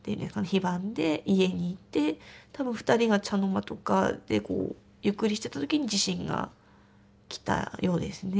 非番で家にいて多分２人が茶の間とかでこうゆっくりしてた時に地震が来たようですね。